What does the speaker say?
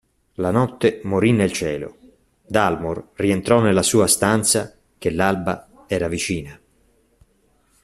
La notte morì nel cielo, Dalmor rientrò nella sua stanza che l'alba era vicina.